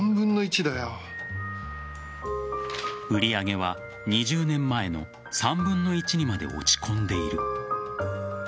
売り上げは２０年前の３分の１にまで落ち込んでいる。